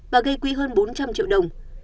và gây quỹ hơn bốn trăm linh triệu đồng